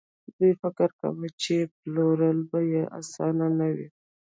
دوی فکر کاوه چې پلورل به يې اسانه نه وي.